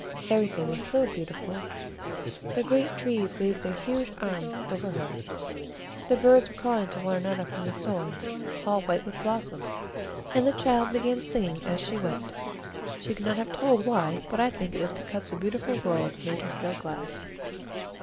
Everything was so beautiful; the great trees waved their huge arms over her, the birds were calling to one another from the thorns all white with blossom, and the child began singing as she went, she could not have told why, but I think it was because the beautiful world made her feel glad.